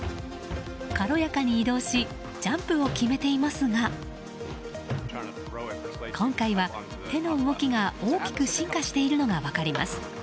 軽やかに移動しジャンプを決めていますが今回は手の動きが大きく進化しているのが分かります。